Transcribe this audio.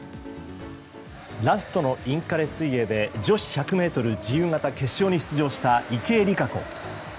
ラストのインカレ水泳で女子１００ｍ自由形決勝に出場した池江璃花子。